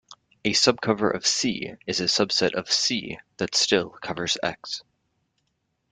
A subcover of "C" is a subset of "C" that still covers "X".